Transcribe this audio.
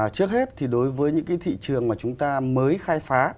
trước hết thì đối với những cái thị trường mà chúng ta mới khai phá